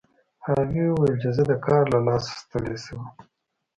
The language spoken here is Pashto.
هغې وویل چې زه د کار له لاسه ستړې شوم